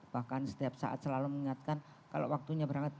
bahkan setiap saat selalu mengingatkan kalau waktunya berangkat